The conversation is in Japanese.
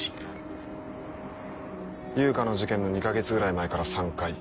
悠香の事件の２か月ぐらい前から３回。